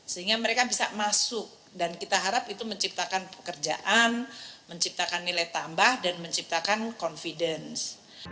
sehingga mereka bisa masuk dan kita harap itu menciptakan pekerjaan menciptakan nilai tambah dan menciptakan confidence